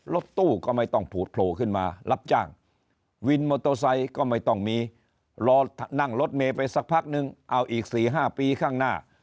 รถตู้ก็ไม่ต้องผูดโผล่ขึ้นมารับจ้างวินมอเตอร์ไซค์ก็ไม่ต้องมีรอนั่งรถเมย์ไปสักพักนึงเอาอีก๔๕ปีข้างหน้า